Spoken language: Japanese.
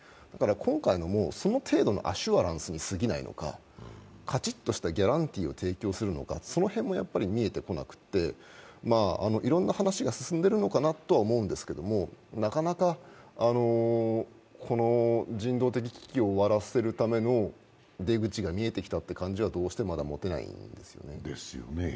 だから今回のその程度のアシュアランスにすぎないのか、カチッとしたギャランティーを提供するのかその辺も見えてこなくていろんな話が進んでいるのかなと思うんですけれども、なかなか人道的危機を終わらせるための出口が見えてきたっていう感じがまだどうしても持てないんですよね。